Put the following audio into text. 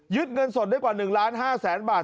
ยึดเงินสดได้กว่า๑๕๐๐๐๐๐บาท